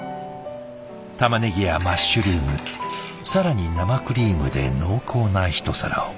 たまねぎやマッシュルーム更に生クリームで濃厚なひと皿を。